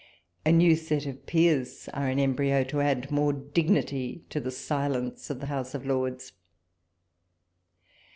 A new set of peers are in embryo. walpole's letters. 55 to add more dignity to the silence of the House of Lords.